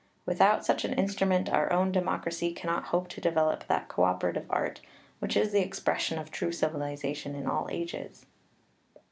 Without such an instrument, our own democracy cannot hope to develop that cooperative art which is the expression of true civilization in all ages.